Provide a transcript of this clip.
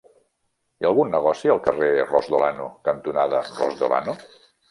Hi ha algun negoci al carrer Ros de Olano cantonada Ros de Olano?